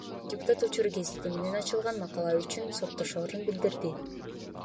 Депутат Учур гезити менен аталган макала үчүн соттошорун билдирди.